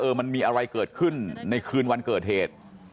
มันมีอะไรเกิดขึ้นในคืนวันเกิดเหตุ